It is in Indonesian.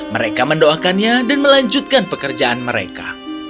mereka mendoakannya dan melanjutkan pekerjaan mereka